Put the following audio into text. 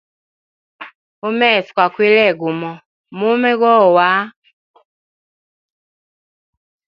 Umeso kwa kwile gumo, mume gowa.